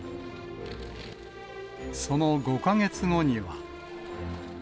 その５か月後には。